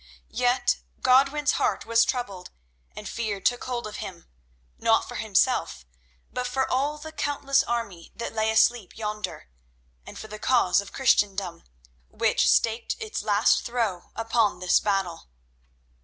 Yet Godwin's heart was troubled and fear took hold of him, not for himself, but for all the countless army that lay asleep yonder, and for the cause of Christendom, which staked its last throw upon this battle.